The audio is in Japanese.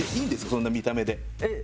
そんな見た目で決めて。